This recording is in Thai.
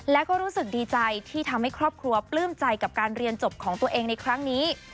และก็รู้สึกดีใจที่ทำให้ครอบครัวปลื้มใจกับการเรียนจบของตัวเองในครั้งนี้